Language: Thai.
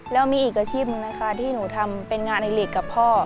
แล้วมีอีกอาชีพหนึ่งนะคะที่หนูทำเป็นงานในลีกกับพ่อ